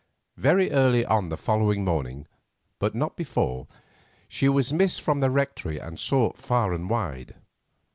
Very early on the following morning, but not before, she was missed from the Rectory and sought far and wide.